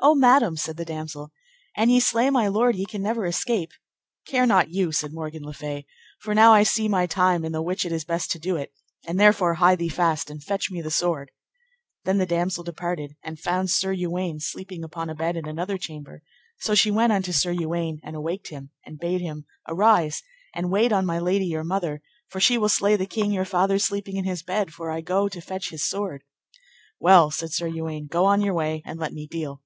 O madam, said the damosel, an ye slay my lord ye can never escape. Care not you, said Morgan le Fay, for now I see my time in the which it is best to do it, and therefore hie thee fast and fetch me the sword. Then the damosel departed, and found Sir Uwaine sleeping upon a bed in another chamber, so she went unto Sir Uwaine, and awaked him, and bade him, Arise, and wait on my lady your mother, for she will slay the king your father sleeping in his bed, for I go to fetch his sword. Well, said Sir Uwaine, go on your way, and let me deal.